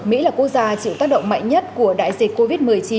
mỹ là quốc gia chịu tác động mạnh nhất của đại dịch covid một mươi chín